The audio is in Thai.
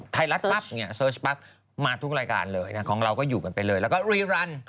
ก็อย่างนี้ก่อนกลับบ้าน